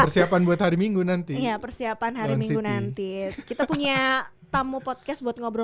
persiapan buat hari minggu nanti ya persiapan hari minggu nanti kita punya tamu podcast buat ngobrol